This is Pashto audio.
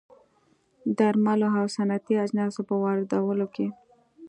درملو او صنعتي اجناسو په واردولو کې